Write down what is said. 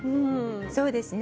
そうですね